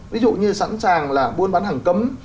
ví dụ như sẵn sàng là buôn bán hàng cấm